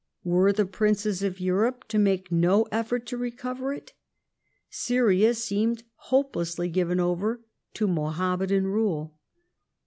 Were the princes of Europe to make no effort to recover it, Syria seemed hopelessly given over to Mohammedan rule.